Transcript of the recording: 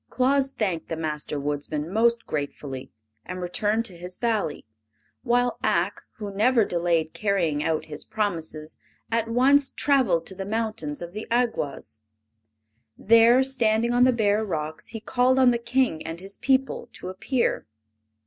Claus thanked the Master Woodsman most gratefully and returned to his Valley, while Ak, who never delayed carrying out his promises, at once traveled to the mountains of the Awgwas. There, standing on the bare rocks, he called on the King and his people to appear.